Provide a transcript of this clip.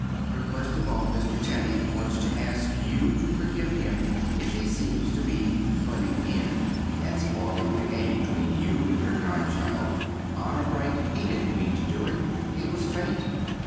But first of all Mr. Teddy wants to ask you to forgive him, if he seems to be "butting in" and spoiling the game between you and your godchild. Honor bright, he didn't mean to do it. It was fate.